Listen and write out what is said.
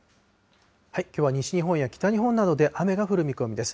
きょうは西日本や北日本などで雨が降る見込みです。